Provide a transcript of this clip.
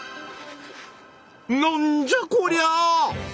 何じゃこりゃ